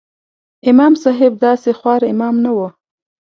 امام صاحب داسې خوار امام نه و.